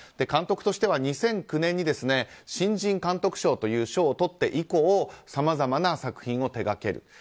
監督としては２００９年に新人監督賞という賞をとって以降さまざまな作品を手掛ける。